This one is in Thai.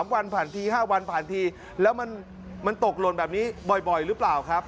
๓วันผ่านที๕วันผ่านทีแล้วมันตกหล่นแบบนี้บ่อยหรือเปล่าครับ